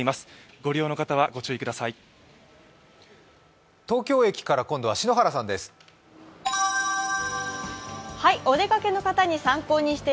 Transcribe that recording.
ご利用の方はご注意ください。